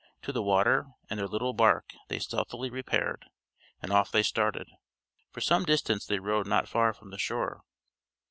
To the water and their little bark they stealthily repaired, and off they started. For some distance they rowed not far from the shore.